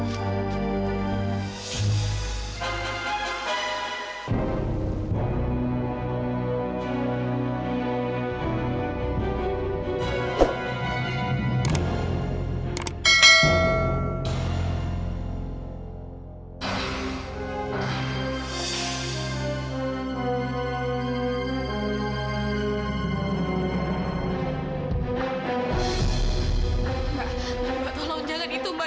mbak mbak tolong jangan itu mbak